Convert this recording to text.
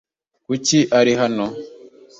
Kuki ari hano?